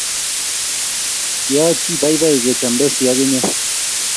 Kiachi baibai kechomdosi ak inye